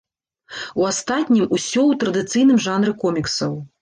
У астатнім усё ў традыцыйным жанры коміксаў.